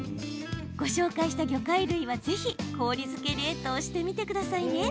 ご紹介した魚介類は是非氷漬け冷凍してみてくださいね。